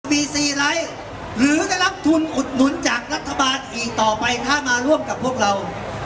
มีซีไลท์หรือได้รับทุนอุดหนุนจากรัฐบาลอีกต่อไปถ้ามาร่วมกับพวกเรา